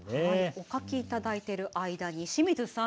お書きいただいている間に清水さん